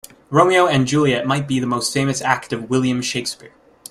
Romeo and Juliet might be the most famous act of William Shakespeare.